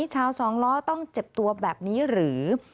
สองล้อต้องเจ็บตัวแบบนี้หรือ